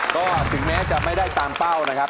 ก็ถึงแม้จะไม่ได้ตามเป้านะครับ